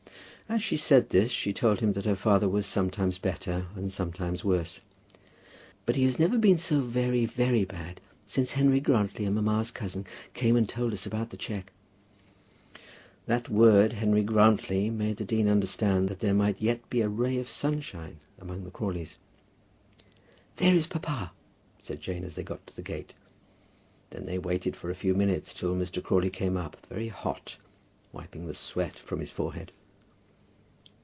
As she said this she told him that her father was sometimes better and sometimes worse. "But he has never been so very, very bad, since Henry Grantly and mamma's cousin came and told us about the cheque." That word Henry Grantly made the dean understand that there might yet be a ray of sunshine among the Crawleys. "There is papa," said Jane, as they got to the gate. Then they waited for a few minutes till Mr. Crawley came up, very hot, wiping the sweat from his forehead.